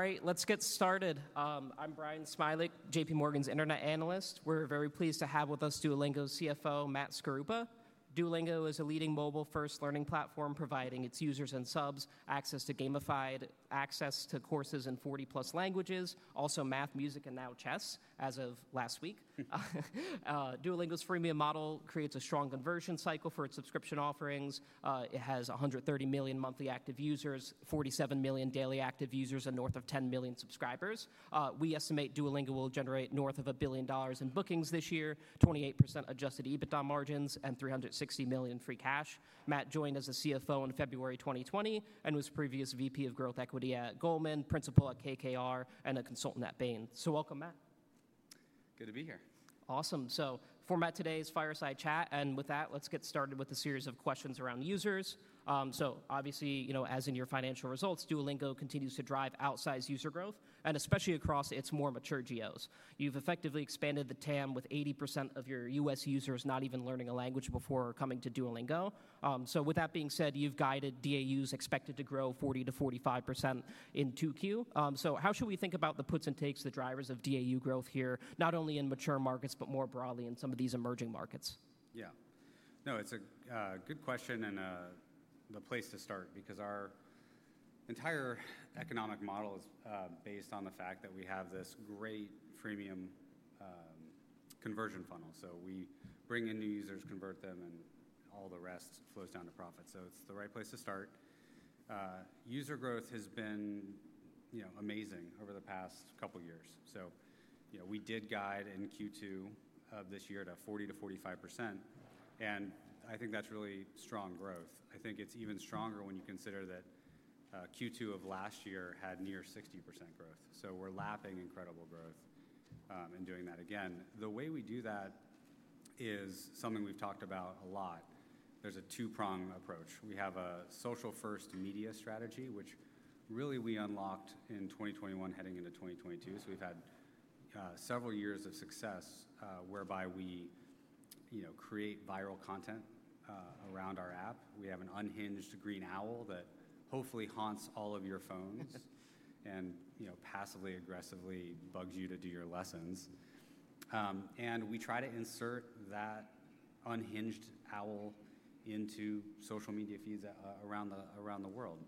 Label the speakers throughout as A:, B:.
A: All right, let's get started. I'm Brian Smilick, J.P. Morgan's internet analyst. We're very pleased to have with us Duolingo CFO, Matt Skaruppa. Duolingo is a leading mobile-first learning platform providing its users and subs access to gamified access to courses in 40-plus languages, also Math, Music, and now Chess as of last week. Duolingo's freemium model creates a strong conversion cycle for its subscription offerings. It has 130 million monthly active users, 47 million daily active users, and north of 10 million subscribers. We estimate Duolingo will generate north of $1 billion in bookings this year, 28% adjusted EBITDA margins, and $360 million free cash. Matt joined as CFO in February 2020 and was previous VP of Growth Equity at Goldman, principal at KKR, and a consultant at Bain. So welcome, Matt.
B: Good to be here.
A: Awesome. For Matt, today's fireside chat, and with that, let's get started with a series of questions around users. Obviously, as in your financial results, Duolingo continues to drive outsized user growth, and especially across its more mature GOs. You've effectively expanded the TAM with 80% of your U.S. users not even learning a language before coming to Duolingo. With that being said, you've guided DAUs expected to grow 40%-45% in 2Q. How should we think about the puts and takes, the drivers of DAU growth here, not only in mature markets, but more broadly in some of these emerging markets?
B: Yeah. No, it's a good question and a place to start because our entire economic model is based on the fact that we have this great freemium conversion funnel. We bring in new users, convert them, and all the rest flows down to profit. It's the right place to start. User growth has been amazing over the past couple of years. We did guide in Q2 of this year to 40%-45%, and I think that's really strong growth. I think it's even stronger when you consider that Q2 of last year had near 60% growth. We're lapping incredible growth and doing that again. The way we do that is something we've talked about a lot. There's a two-prong approach. We have a social-first media strategy, which really we unlocked in 2021 heading into 2022. We've had several years of success whereby we create viral content around our app. We have an unhinged green owl that hopefully haunts all of your phones and passively aggressively bugs you to do your lessons. We try to insert that unhinged owl into social media feeds around the world.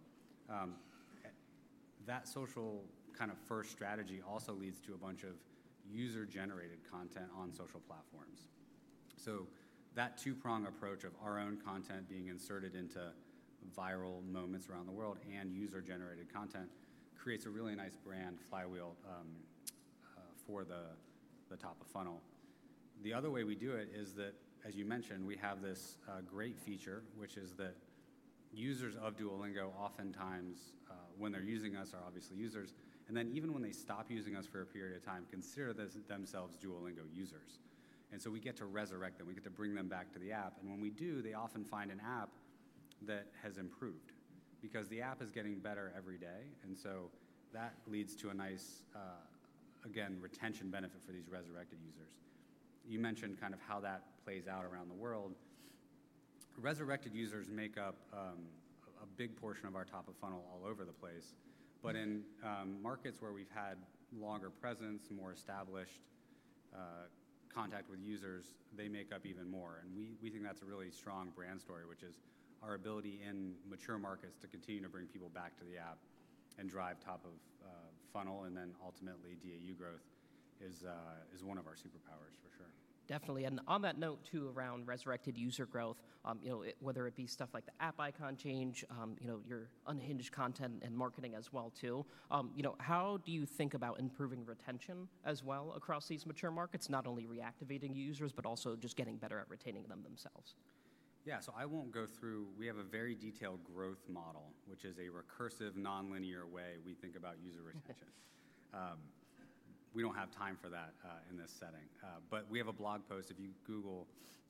B: That social kind of first strategy also leads to a bunch of user-generated content on social platforms. That two-prong approach of our own content being inserted into viral moments around the world and user-generated content creates a really nice brand flywheel for the top of funnel. The other way we do it is that, as you mentioned, we have this great feature, which is that users of Duolingo oftentimes, when they're using us, are obviously users. Even when they stop using us for a period of time, they consider themselves Duolingo users. We get to resurrect them. We get to bring them back to the app. When we do, they often find an app that has improved because the app is getting better every day. That leads to a nice, again, retention benefit for these resurrected users. You mentioned kind of how that plays out around the world. Resurrected users make up a big portion of our top of funnel all over the place. In markets where we have had longer presence, more established contact with users, they make up even more. We think that is a really strong brand story, which is our ability in mature markets to continue to bring people back to the app and drive top of funnel. Ultimately, DAU growth is one of our superpowers, for sure.
A: Definitely. On that note, too, around resurrected user growth, whether it be stuff like the app icon change, your unhinged content and marketing as well, too, how do you think about improving retention as well across these mature markets, not only reactivating users, but also just getting better at retaining them themselves?
B: Yeah. I won't go through. We have a very detailed growth model, which is a recursive non-linear way we think about user retention. We don't have time for that in this setting. We have a blog post. If you Google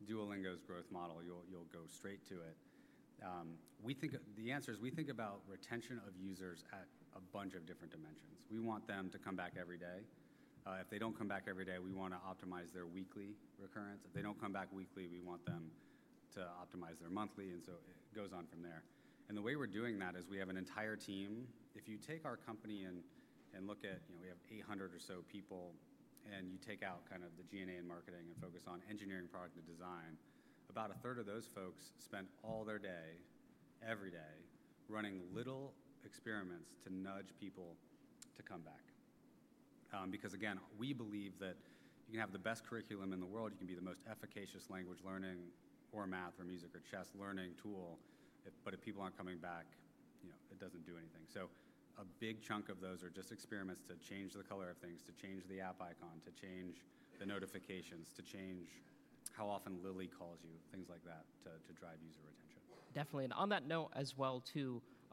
B: Duolingo's growth model, you'll go straight to it. The answer is we think about retention of users at a bunch of different dimensions. We want them to come back every day. If they don't come back every day, we want to optimize their weekly recurrence. If they don't come back weekly, we want them to optimize their monthly. It goes on from there. The way we're doing that is we have an entire team. If you take our company and look at we have 800 or so people, and you take out kind of the GNA and marketing and focus on engineering, product, and design, about a third of those folks spent all their day, every day, running little experiments to nudge people to come back. Because again, we believe that you can have the best curriculum in the world. You can be the most efficacious language learning or Math or Music or Chess learning tool, but if people aren't coming back, it doesn't do anything. A big chunk of those are just experiments to change the color of things, to change the app icon, to change the notifications, to change how often Lily calls you, things like that to drive user retention.
A: Definitely. On that note as well,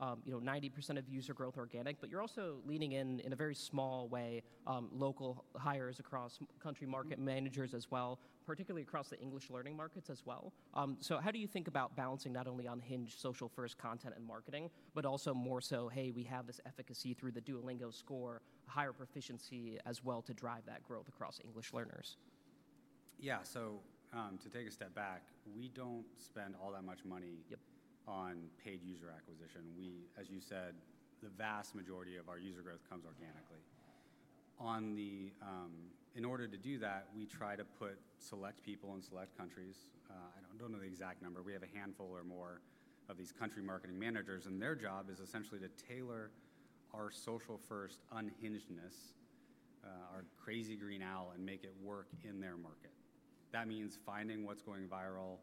A: 90% of user growth organic, but you're also leaning in a very small way, local hires across country market managers as well, particularly across the English learning markets as well. How do you think about balancing not only unhinged social-first content and marketing, but also more so, hey, we have this efficacy through the Duolingo Score, a higher proficiency as well to drive that growth across English learners?
B: Yeah. To take a step back, we do not spend all that much money on paid user acquisition. As you said, the vast majority of our user growth comes organically. In order to do that, we try to select people in select countries. I do not know the exact number. We have a handful or more of these country marketing managers, and their job is essentially to tailor our social-first unhingedness, our crazy green owl, and make it work in their market. That means finding what is going viral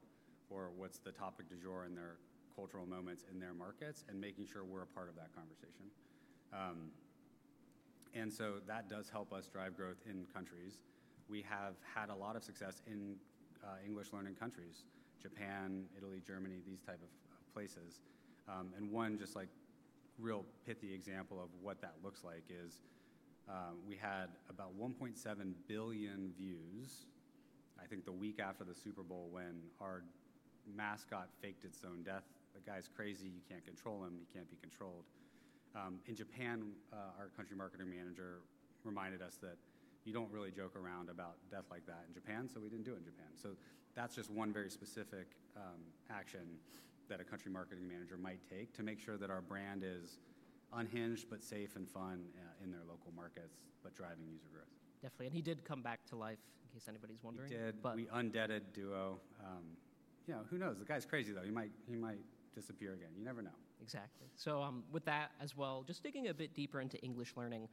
B: or what is the topic du jour in their cultural moments in their markets and making sure we are a part of that conversation. That does help us drive growth in countries. We have had a lot of success in English learning countries, Japan, Italy, Germany, these types of places. One just like real pithy example of what that looks like is we had about 1.7 billion views, I think, the week after the Super Bowl when our mascot faked its own death. The guy's crazy. You can't control him. He can't be controlled. In Japan, our country marketing manager reminded us that you don't really joke around about death like that in Japan, so we didn't do it in Japan. That's just one very specific action that a country marketing manager might take to make sure that our brand is unhinged but safe and fun in their local markets but driving user growth.
A: Definitely. He did come back to life in case anybody's wondering.
B: He did. We undebted Duo. Who knows? The guy's crazy, though. He might disappear again. You never know.
A: Exactly. With that as well, just digging a bit deeper into English learning,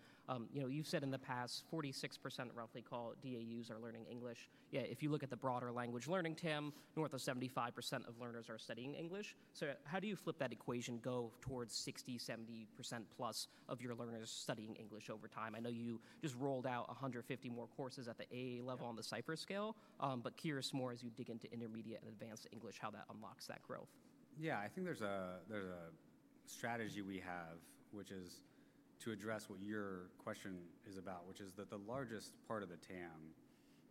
A: you've said in the past 46% roughly call DAUs are learning English. If you look at the broader language learning TAM, north of 75% of learners are studying English. How do you flip that equation, go towards 60%-70% plus of your learners studying English over time? I know you just rolled out 150 more courses at the AA level on the CEFR scale, but curious more as you dig into intermediate and advanced English, how that unlocks that growth.
B: Yeah. I think there's a strategy we have, which is to address what your question is about, which is that the largest part of the TAM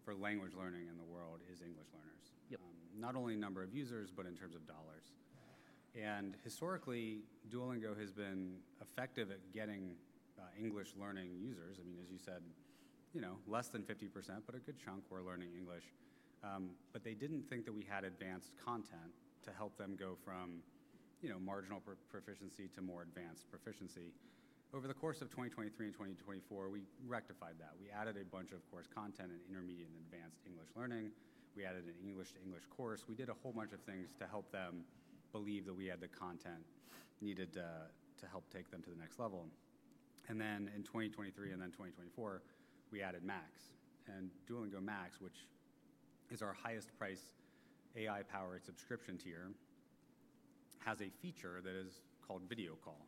B: for language learning in the world is English learners, not only in number of users, but in terms of dollars. Historically, Duolingo has been effective at getting English learning users. I mean, as you said, less than 50%, but a good chunk were learning English. They didn't think that we had advanced content to help them go from marginal proficiency to more advanced proficiency. Over the course of 2023 and 2024, we rectified that. We added a bunch of content in intermediate and advanced English learning. We added an English-to-English course. We did a whole bunch of things to help them believe that we had the content needed to help take them to the next level. In 2023 and then 2024, we added Max. Duolingo Max, which is our highest-priced AI-powered subscription tier, has a feature that is called Video Call.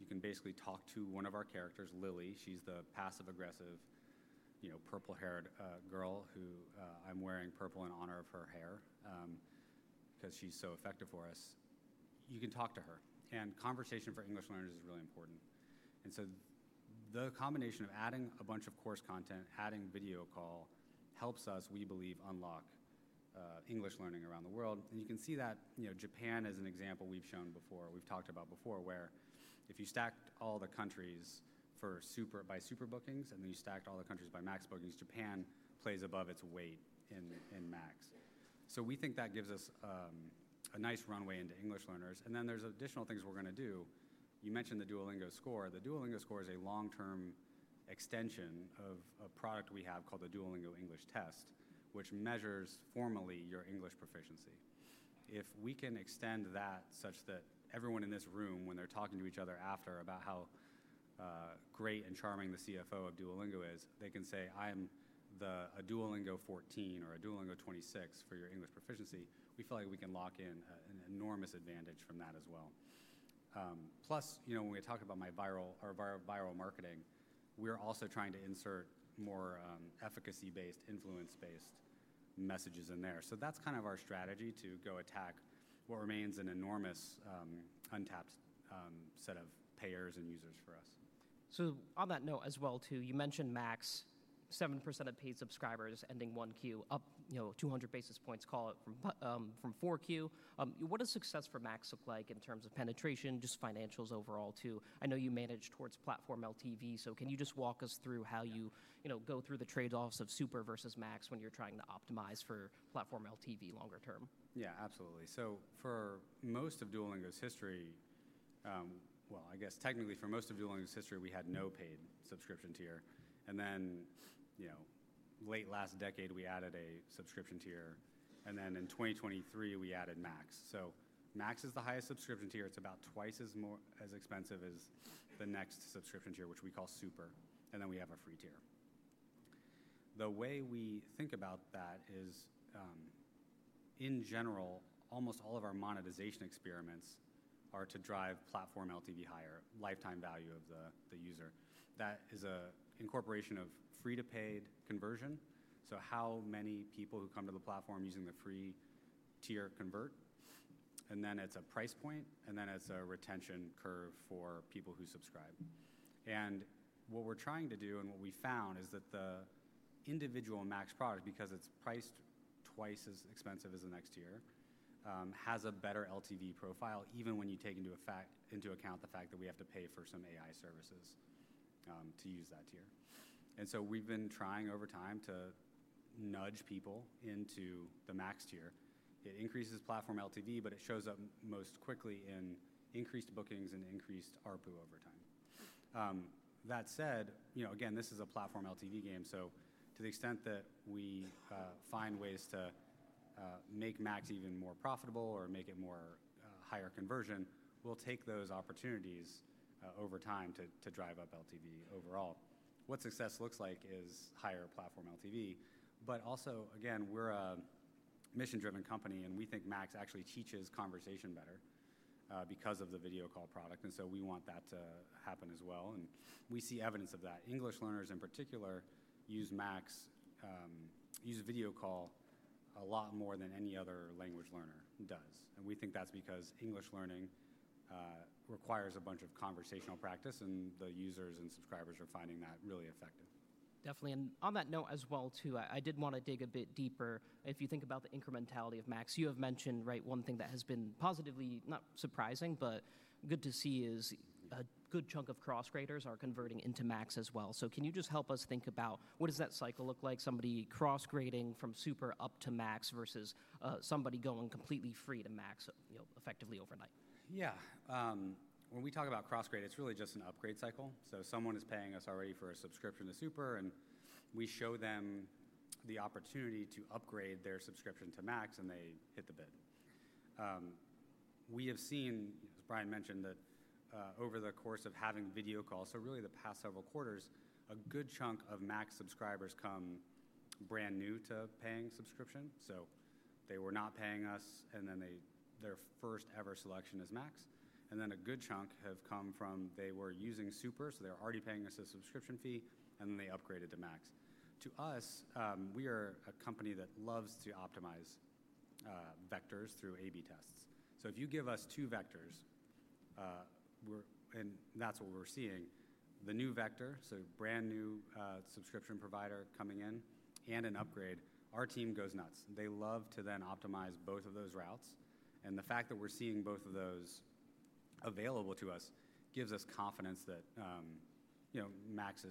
B: You can basically talk to one of our characters, Lily. She's the passive-aggressive purple-haired girl who I'm wearing purple in honor of her hair because she's so effective for us. You can talk to her. Conversation for English learners is really important. The combination of adding a bunch of course content, adding Video Call helps us, we believe, unlock English learning around the world. You can see that Japan is an example we've shown before, we've talked about before, where if you stacked all the countries by Super bookings and then you stacked all the countries by Max bookings, Japan plays above its weight in Max. We think that gives us a nice runway into English learners. There are additional things we're going to do. You mentioned the Duolingo Score. The Duolingo Score is a long-term extension of a product we have called the Duolingo English Test, which measures formally your English proficiency. If we can extend that such that everyone in this room, when they're talking to each other after about how great and charming the CFO of Duolingo is, they can say, "I'm a Duolingo 14 or a Duolingo 26 for your English proficiency," we feel like we can lock in an enormous advantage from that as well. Plus, when we talk about our viral marketing, we're also trying to insert more efficacy-based, influence-based messages in there. That is kind of our strategy to go attack what remains an enormous untapped set of payers and users for us.
A: On that note as well, too, you mentioned Max, 7% of paid subscribers ending 1Q, up 200 basis points call from 4Q. What does success for Max look like in terms of penetration, just financials overall, too? I know you manage towards platform LTV, so can you just walk us through how you go through the trade-offs of Super versus Max when you're trying to optimize for platform LTV longer term?
B: Yeah, absolutely. For most of Duolingo's history, I guess technically for most of Duolingo's history, we had no paid subscription tier. Late last decade, we added a subscription tier. In 2023, we added Max. Max is the highest subscription tier. It is about twice as expensive as the next subscription tier, which we call Super. We have a free tier. The way we think about that is, in general, almost all of our monetization experiments are to drive platform LTV higher, lifetime value of the user. That is an incorporation of free-to-paid conversion. How many people who come to the platform using the free tier convert. It is a price point. It is a retention curve for people who subscribe. What we're trying to do and what we found is that the individual Max product, because it's priced twice as expensive as the next tier, has a better LTV profile even when you take into account the fact that we have to pay for some AI services to use that tier. We've been trying over time to nudge people into the Max tier. It increases platform LTV, but it shows up most quickly in increased bookings and increased ARPU over time. That said, again, this is a platform LTV game. To the extent that we find ways to make Max even more profitable or make it more higher conversion, we'll take those opportunities over time to drive up LTV overall. What success looks like is higher platform LTV. Also, again, we're a mission-driven company, and we think Max actually teaches conversation better because of the Video Call product. We want that to happen as well. We see evidence of that. English learners in particular use Max, use Video Call a lot more than any other language learner does. We think that's because English learning requires a bunch of conversational practice, and the users and subscribers are finding that really effective.
A: Definitely. On that note as well, I did want to dig a bit deeper. If you think about the incrementality of Max, you have mentioned one thing that has been positively, not surprising, but good to see is a good chunk of cross-graders are converting into Max as well. Can you just help us think about what that cycle looks like, somebody cross-grading from Super up to Max versus somebody going completely free to Max effectively overnight?
B: Yeah. When we talk about cross-grade, it's really just an upgrade cycle. Someone is paying us already for a subscription to Super, and we show them the opportunity to upgrade their subscription to Max, and they hit the bid. We have seen, as Brian mentioned, that over the course of having Video Call, so really the past several quarters, a good chunk of Max subscribers come brand new to paying subscription. They were not paying us, and then their first ever selection is Max. A good chunk have come from they were using Super, so they were already paying us a subscription fee, and then they upgraded to Max. To us, we are a company that loves to optimize vectors through A/B tests. If you give us two vectors, and that's what we're seeing, the new vector, so brand new subscription provider coming in and an upgrade, our team goes nuts. They love to then optimize both of those routes. The fact that we're seeing both of those available to us gives us confidence that Max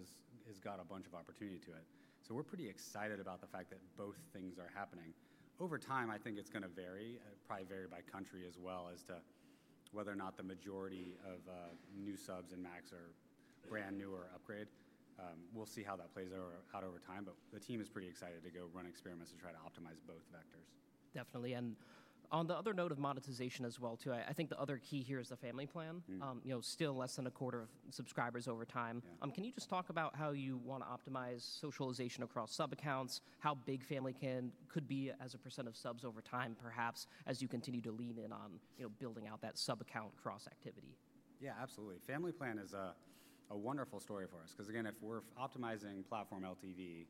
B: has got a bunch of opportunity to it. We're pretty excited about the fact that both things are happening. Over time, I think it's going to vary, probably vary by country as well as to whether or not the majority of new subs in Max are brand new or upgrade. We'll see how that plays out over time, but the team is pretty excited to go run experiments to try to optimize both vectors.
A: Definitely. On the other note of monetization as well, too, I think the other key here is the Family Plan. Still less than a quarter of subscribers over time. Can you just talk about how you want to optimize socialization across sub accounts, how big Family could be as a percent of subs over time, perhaps, as you continue to lean in on building out that sub account cross-activity?
B: Yeah, absolutely. Family Plan is a wonderful story for us because, again, if we're optimizing platform LTV,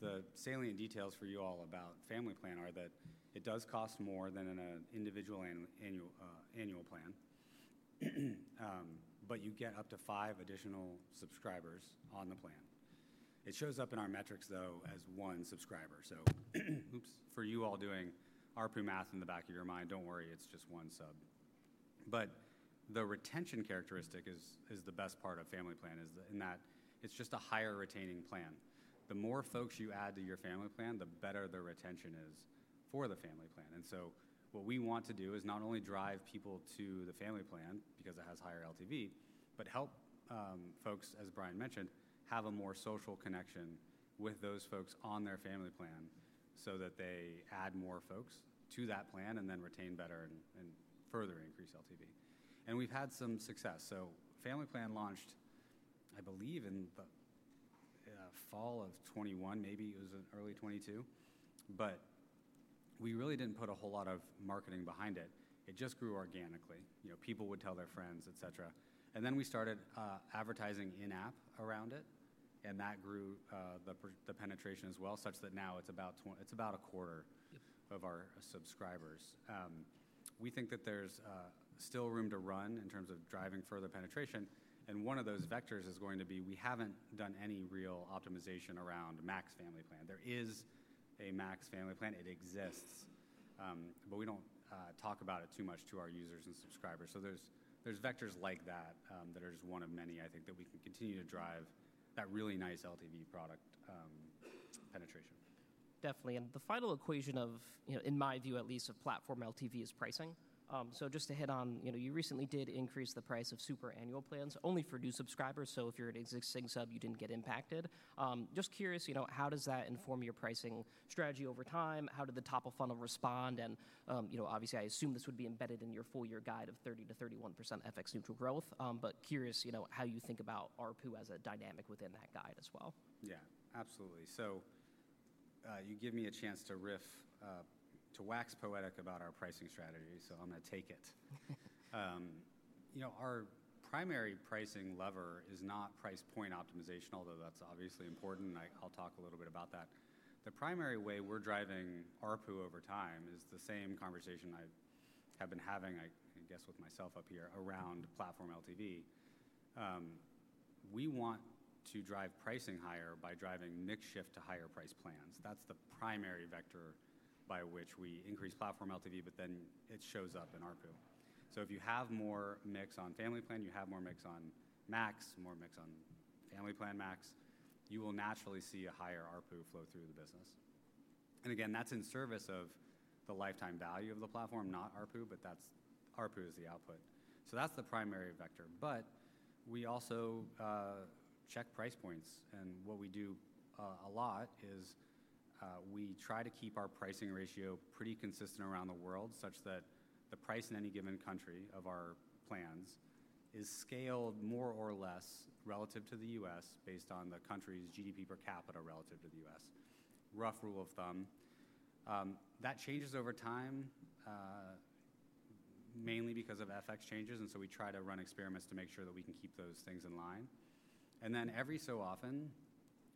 B: the salient details for you all about Family Plan are that it does cost more than an individual annual plan, but you get up to five additional subscribers on the plan. It shows up in our metrics, though, as one subscriber. Oops, for you all doing ARPU Math in the back of your mind, don't worry, it's just one sub. The retention characteristic is the best part of Family Plan in that it's just a higher retaining plan. The more folks you add to your Family Plan, the better the retention is for the Family Plan. What we want to do is not only drive people to the Family Plan because it has higher LTV, but help folks, as Brian mentioned, have a more social connection with those folks on their Family Plan so that they add more folks to that plan and then retain better and further increase LTV. We've had some success. Family Plan launched, I believe, in the fall of 2021, maybe it was early 2022, but we really did not put a whole lot of marketing behind it. It just grew organically. People would tell their friends, et cetera. We started advertising in-app around it, and that grew the penetration as well, such that now it is about a quarter of our subscribers. We think that there is still room to run in terms of driving further penetration. One of those vectors is going to be we have not done any real optimization around Max Family Plan. There is a Max Family Plan. It exists, but we do not talk about it too much to our users and subscribers. There are vectors like that that are just one of many, I think, that we can continue to drive that really nice LTV product penetration.
A: Definitely. The final equation of, in my view at least, of platform LTV is pricing. Just to hit on, you recently did increase the price of Super annual plans only for new subscribers. If you're an existing sub, you didn't get impacted. Just curious, how does that inform your pricing strategy over time? How did the top of funnel respond? Obviously, I assume this would be embedded in your full year guide of 30%-31% FX-neutral growth, but curious how you think about ARPU as a dynamic within that guide as well.
B: Yeah, absolutely. You give me a chance to wax poetic about our pricing strategy, so I'm going to take it. Our primary pricing lever is not price point optimization, although that's obviously important, and I'll talk a little bit about that. The primary way we're driving ARPU over time is the same conversation I have been having, I guess, with myself up here around platform LTV. We want to drive pricing higher by driving mix shift to higher price plans. That's the primary vector by which we increase platform LTV, but then it shows up in ARPU. If you have more mix on Family Plan, you have more mix on Max, more mix on Family Plan Max, you will naturally see a higher ARPU flow through the business. Again, that's in service of the lifetime value of the platform, not ARPU, but ARPU is the output. That's the primary vector. We also check price points. What we do a lot is we try to keep our pricing ratio pretty consistent around the world, such that the price in any given country of our plans is scaled more or less relative to the U.S. based on the country's GDP per capita relative to the U.S., Rough rule of thumb. That changes over time mainly because of FX changes. We try to run experiments to make sure that we can keep those things in line. Every so often,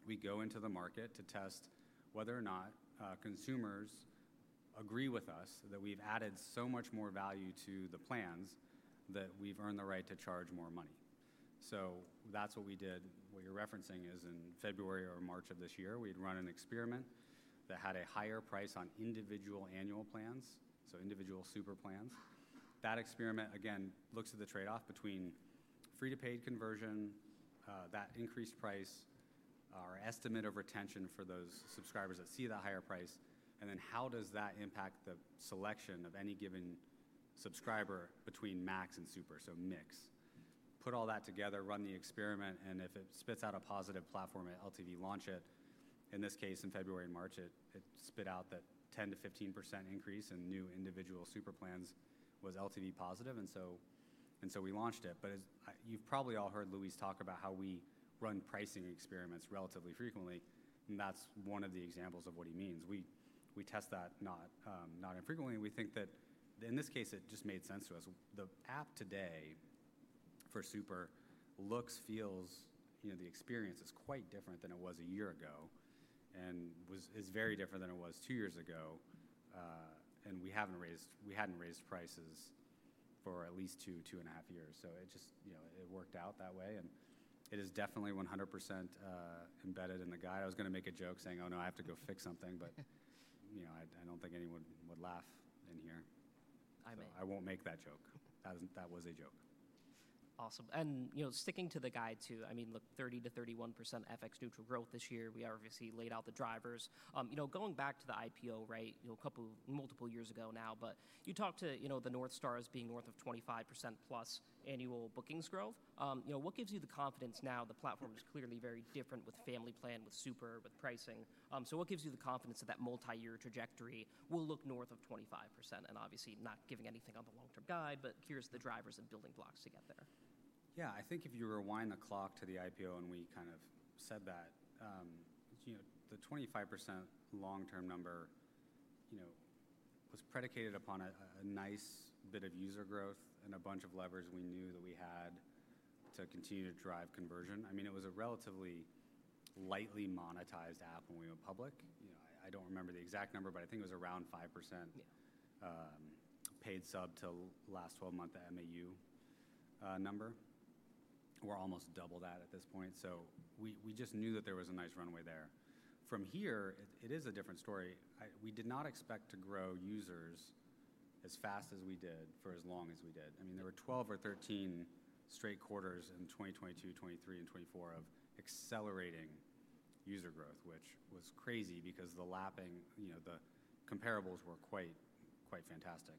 B: we go into the market to test whether or not consumers agree with us that we've added so much more value to the plans that we've earned the right to charge more money. That's what we did. What you're referencing is in February or March of this year, we'd run an experiment that had a higher price on individual annual plans, so individual Super plans. That experiment, again, looks at the trade-off between free-to-paid conversion, that increased price, our estimate of retention for those subscribers that see the higher price, and then how does that impact the selection of any given subscriber between Max and Super, so mix. Put all that together, run the experiment, and if it spits out a positive platform at LTV, launch it. In this case, in February and March, it spit out that 10%-15% increase in new individual Super plans was LTV positive. And so we launched it. You've probably all heard Luis talk about how we run pricing experiments relatively frequently. That's one of the examples of what he means. We test that not infrequently. We think that in this case, it just made sense to us. The app today for Super looks, feels, the experience is quite different than it was a year ago and is very different than it was two years ago. We had not raised prices for at least two, two and a half years. It just worked out that way. It is definitely 100% embedded in the guide. I was going to make a joke saying, "Oh, no, I have to go fix something," but I do not think anyone would laugh in here.
A: I may.
B: I won't make that joke. That was a joke.
A: Awesome. Sticking to the guide, too, I mean, look, 30%-31% FX-neutral growth this year. We obviously laid out the drivers. Going back to the IPO, right, multiple years ago now, but you talked to the North Star as being north of 25% plus annual bookings growth. What gives you the confidence now? The platform is clearly very different with Family Plan, with Super, with pricing. What gives you the confidence that that multi-year trajectory will look north of 25%? Obviously, not giving anything on the long-term guide, but here are the drivers and building blocks to get there.
B: Yeah, I think if you rewind the clock to the IPO and we kind of said that, the 25% long-term number was predicated upon a nice bit of user growth and a bunch of levers we knew that we had to continue to drive conversion. I mean, it was a relatively lightly monetized app when we went public. I do not remember the exact number, but I think it was around 5% paid sub to last four month MAU number. We are almost double that at this point. We just knew that there was a nice runway there. From here, it is a different story. We did not expect to grow users as fast as we did for as long as we did. I mean, there were 12 or 13 straight quarters in 2022, 2023, and 2024 of accelerating user growth, which was crazy because the lapping, the comparables were quite fantastic.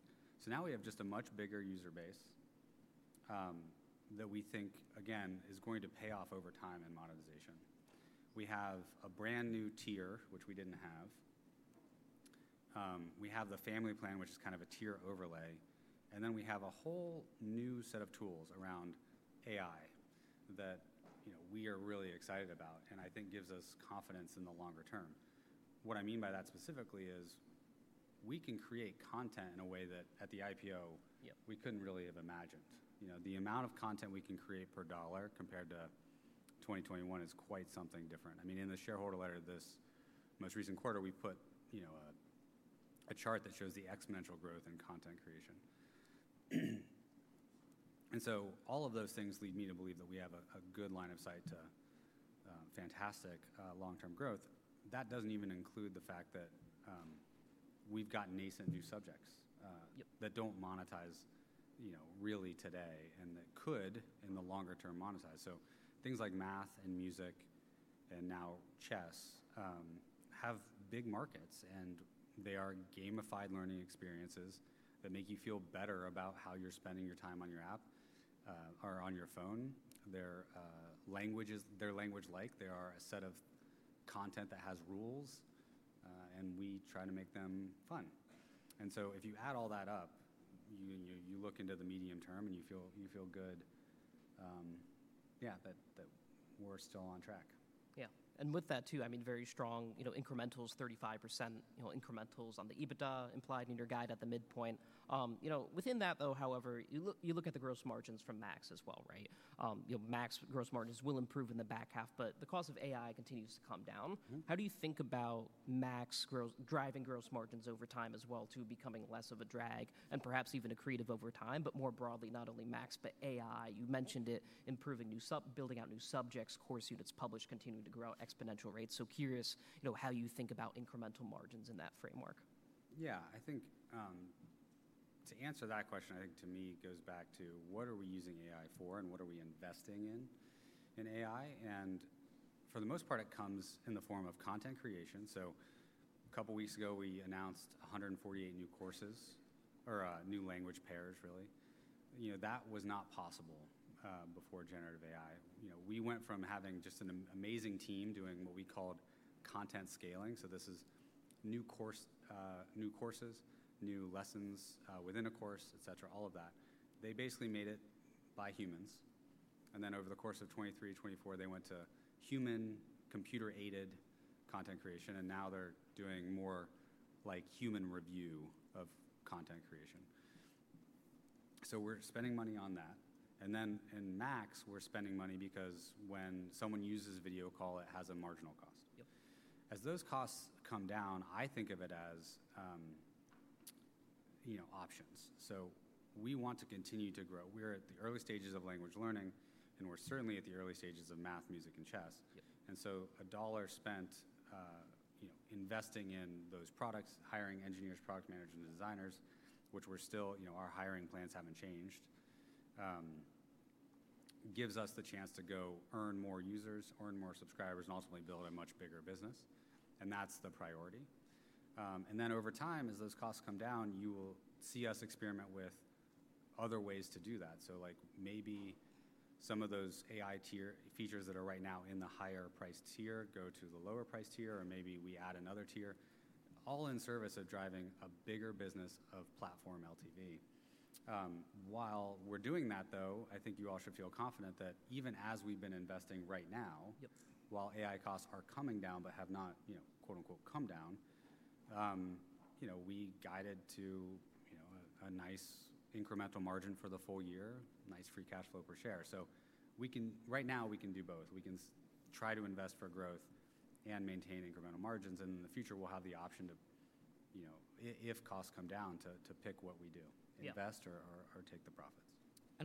B: Now we have just a much bigger user base that we think, again, is going to pay off over time in monetization. We have a brand new tier, which we did not have. We have the Family Plan, which is kind of a tier overlay. We have a whole new set of tools around AI that we are really excited about, and I think gives us confidence in the longer term. What I mean by that specifically is we can create content in a way that at the IPO we could not really have imagined. The amount of content we can create per dollar compared to 2021 is quite something different. I mean, in the shareholder letter this most recent quarter, we put a chart that shows the exponential growth in content creation. All of those things lead me to believe that we have a good line of sight to fantastic long-term growth. That does not even include the fact that we have got nascent new subjects that do not monetize really today and that could in the longer term monetize. Things like Math and Music and now Chess have big markets, and they are gamified learning experiences that make you feel better about how you are spending your time on your app or on your phone. They are language-like. They are a set of content that has rules, and we try to make them fun. If you add all that up, you look into the medium term and you feel good, yeah, that we are still on track.
A: Yeah. And with that, too, I mean, very strong incrementals, 35% incrementals on the EBITDA implied in your guide at the midpoint. Within that, though, however, you look at the gross margins from Max as well, right? Max gross margins will improve in the back half, but the cost of AI continues to come down. How do you think about Max driving gross margins over time as well to becoming less of a drag and perhaps even accretive over time, but more broadly, not only Max, but AI? You mentioned it improving new sub, building out new subjects, course units published, continuing to grow at exponential rates. So curious how you think about incremental margins in that framework.
B: Yeah, I think to answer that question, I think to me it goes back to what are we using AI for and what are we investing in in AI? For the most part, it comes in the form of content creation. A couple of weeks ago, we announced 148 new courses or new language pairs, really. That was not possible before generative AI. We went from having just an amazing team doing what we called content scaling. This is new courses, new lessons within a course, et cetera, all of that. They basically made it by humans. Over the course of 2023-2024, they went to human computer-aided content creation, and now they're doing more like human review of content creation. We're spending money on that. In Max, we're spending money because when someone uses Video Call, it has a marginal cost. As those costs come down, I think of it as options. We want to continue to grow. We're at the early stages of language learning, and we're certainly at the early stages of Math, Music, and Chess. A dollar spent investing in those products, hiring engineers, product managers, and designers, which we're still, our hiring plans haven't changed, gives us the chance to go earn more users, earn more subscribers, and ultimately build a much bigger business. That's the priority. Over time, as those costs come down, you will see us experiment with other ways to do that. Maybe some of those AI features that are right now in the higher price tier go to the lower price tier, or maybe we add another tier, all in service of driving a bigger business of platform LTV. While we're doing that, though, I think you all should feel confident that even as we've been investing right now, while AI costs are coming down but have not "come down," we guided to a nice incremental margin for the full year, nice free cash flow per share. Right now, we can do both. We can try to invest for growth and maintain incremental margins. In the future, we'll have the option to, if costs come down, to pick what we do, invest or take the profits.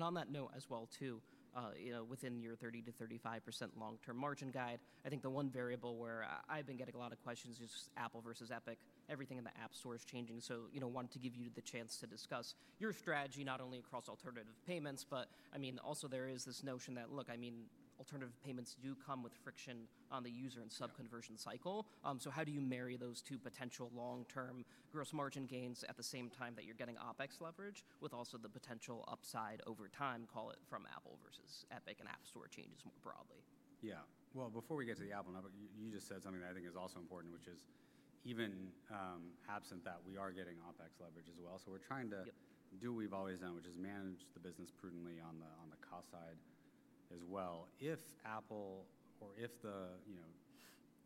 A: On that note as well, too, within your 30%-35% long-term margin guide, I think the one variable where I've been getting a lot of questions is Apple versus Epic, everything in the App store is changing. I wanted to give you the chance to discuss your strategy not only across alternative payments, but, I mean, also there is this notion that, look, I mean, alternative payments do come with friction on the user and sub-conversion cycle. How do you marry those two potential long-term gross margin gains at the same time that you're getting OpEx leverage with also the potential upside over time, call it from Apple versus Epic and App Store changes more broadly?
B: Yeah. Before we get to the Apple number, you just said something that I think is also important, which is even absent that, we are getting OpEx leverage as well. We are trying to do what we have always done, which is manage the business prudently on the cost side as well. If Apple or if the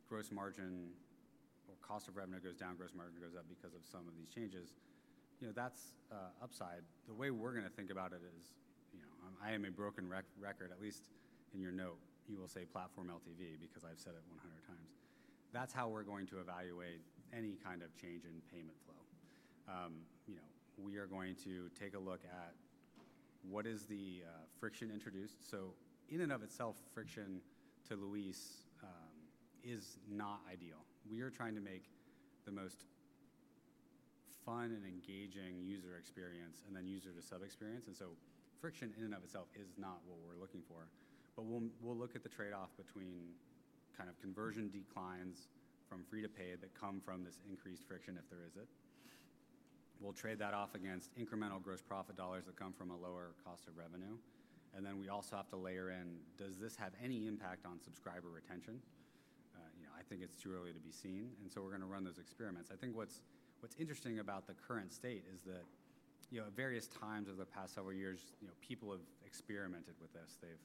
B: gross margin or cost of revenue goes down, gross margin goes up because of some of these changes, that is upside. The way we are going to think about it is I am a broken record. At least in your note, you will say platform LTV because I have said it 100 times. That is how we are going to evaluate any kind of change in payment flow. We are going to take a look at what is the friction introduced. In and of itself, friction to Luis is not ideal. We are trying to make the most fun and engaging user experience and then user to sub experience. Friction in and of itself is not what we're looking for. We'll look at the trade-off between kind of conversion declines from free-to-pay that come from this increased friction, if there is it. We'll trade that off against incremental gross profit dollars that come from a lower cost of revenue. We also have to layer in, does this have any impact on subscriber retention? I think it's too early to be seen. We're going to run those experiments. I think what's interesting about the current state is that at various times over the past several years, people have experimented with this. They've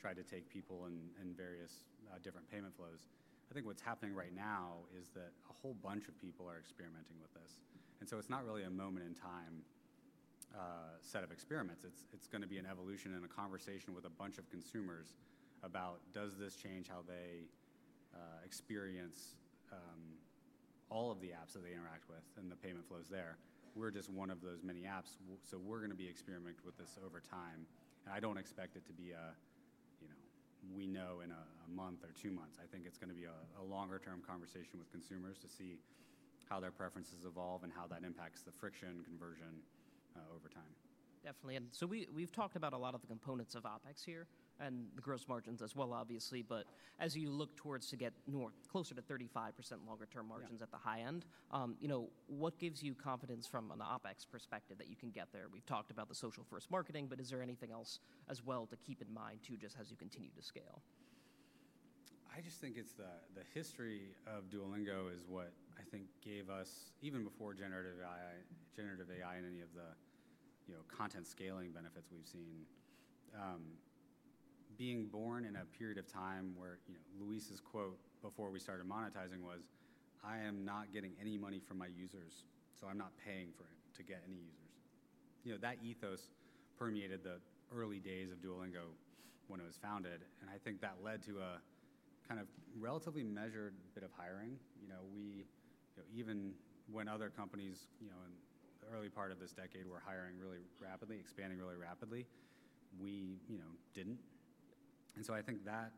B: tried to take people in various different payment flows. I think what's happening right now is that a whole bunch of people are experimenting with this. It's not really a moment in time set of experiments. It's going to be an evolution and a conversation with a bunch of consumers about, does this change how they experience all of the apps that they interact with and the payment flows there? We're just one of those many apps. We're going to be experimenting with this over time. I don't expect it to be a we know in a month or two months. I think it's going to be a longer-term conversation with consumers to see how their preferences evolve and how that impacts the friction conversion over time.
A: Definitely. We have talked about a lot of the components of OpEx here and the gross margins as well, obviously. As you look towards to get closer to 35% longer-term margins at the high end, what gives you confidence from an OpEx perspective that you can get there? We have talked about the social-first marketing, but is there anything else as well to keep in mind too just as you continue to scale?
B: I just think it's the history of Duolingo is what I think gave us, even before generative AI and any of the content scaling benefits we've seen, being born in a period of time where Luis's quote before we started monetizing was, "I am not getting any money from my users, so I'm not paying for it to get any users." That ethos permeated the early days of Duolingo when it was founded. I think that led to a kind of relatively measured bit of hiring. Even when other companies in the early part of this decade were hiring really rapidly, expanding really rapidly, we didn't. I think that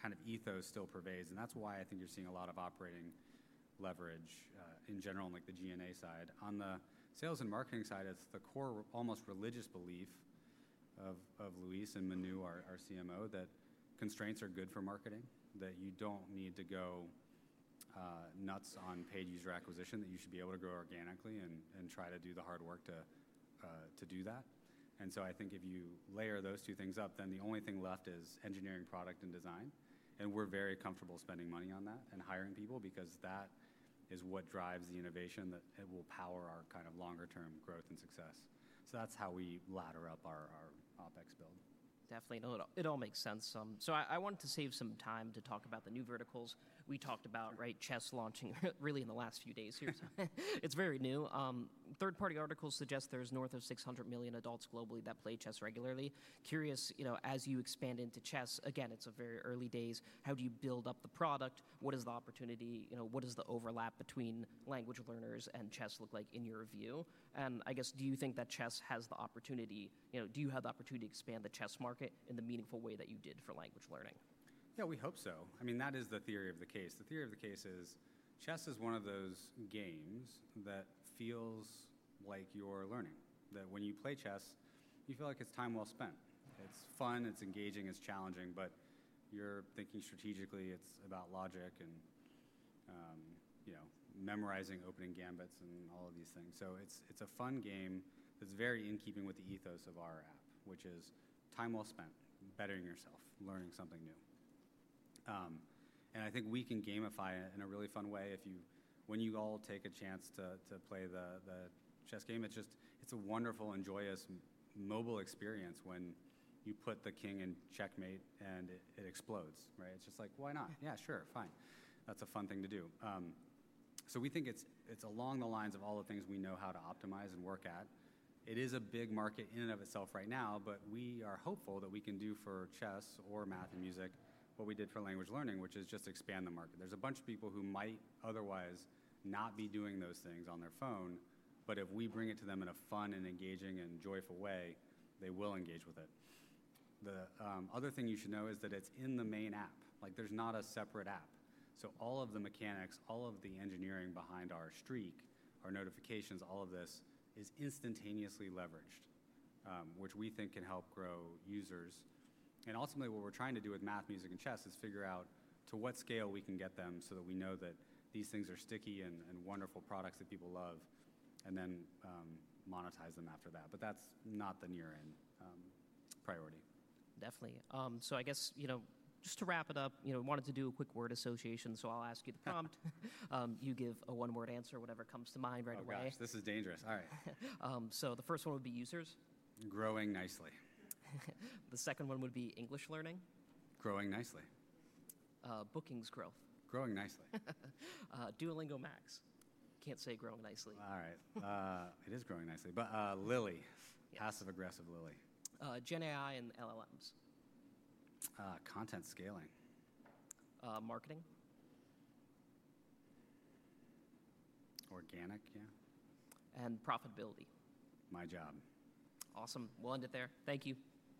B: kind of ethos still pervades. That's why I think you're seeing a lot of operating leverage in general on the G&A side. On the sales and marketing side, it's the core almost religious belief of Luis and Manu, our CMO, that constraints are good for marketing, that you don't need to go nuts on paid user acquisition, that you should be able to grow organically and try to do the hard work to do that. I think if you layer those two things up, then the only thing left is engineering product and design. We're very comfortable spending money on that and hiring people because that is what drives the innovation that will power our kind of longer-term growth and success. That's how we ladder up our OpEx build.
A: Definitely. It all makes sense. I wanted to save some time to talk about the new verticals. We talked about Chess launching really in the last few days here. It is very new. Third-party articles suggest there is north of 600 million adults globally that play Chess regularly. Curious, as you expand into Chess, again, it is very early days. How do you build up the product? What is the opportunity? What does the overlap between language learners and Chess look like in your view? I guess, do you think that Chess has the opportunity? Do you have the opportunity to expand the Chess market in the meaningful way that you did for language learning?
B: Yeah, we hope so. I mean, that is the theory of the case. The theory of the case is Chess is one of those games that feels like you're learning, that when you play Chess, you feel like it's time well spent. It's fun. It's engaging. It's challenging. You're thinking strategically. It's about logic and memorizing opening gambits and all of these things. It's a fun game that's very in keeping with the ethos of our app, which is time well spent, bettering yourself, learning something new. I think we can gamify it in a really fun way when you all take a chance to play the Chess game. It's a wonderful, joyous mobile experience when you put the king in checkmate and it explodes. It's just like, why not? Yeah, sure. Fine. That's a fun thing to do. We think it's along the lines of all the things we know how to optimize and work at. It is a big market in and of itself right now, but we are hopeful that we can do for Chess or Math and Music what we did for language learning, which is just expand the market. There's a bunch of people who might otherwise not be doing those things on their phone, but if we bring it to them in a fun and engaging and joyful way, they will engage with it. The other thing you should know is that it's in the main app. There's not a separate app. All of the mechanics, all of the engineering behind our streak, our notifications, all of this is instantaneously leveraged, which we think can help grow users. Ultimately, what we're trying to do with Math, Music, and Chess is figure out to what scale we can get them so that we know that these things are sticky and wonderful products that people love and then monetize them after that. That is not the near-end priority.
A: Definitely. I guess just to wrap it up, we wanted to do a quick word association. I will ask you the prompt. You give a one-word answer, whatever comes to mind right away.
B: Oh gosh, this is dangerous. All right.
A: The first one would be users.
B: Growing nicely.
A: The second one would be English learning.
B: Growing nicely.
A: Bookings growth.
B: Growing nicely.
A: Duolingo Max. Can't say growing nicely.
B: All right. It is growing nicely. But Lily, passive-aggressive Lily.
A: Gen AI and LLMs.
B: Content scaling.
A: Marketing.
B: Organic, yeah.
A: And profitability.
B: My job.
A: Awesome. We'll end it there. Thank you.